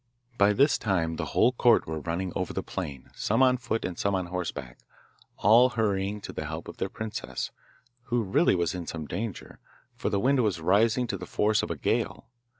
By this time the whole court were running over the plain, some on foot and some on horseback, all hurrying to the help of their princess, who really was in some danger, for the wind was rising to the force of a gale.